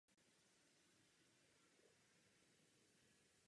Zemskému výboru se takto navržená síť nelíbila.